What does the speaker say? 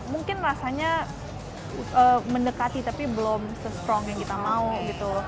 mungkin rasanya mendekati tapi belum se strong yang kita mau gitu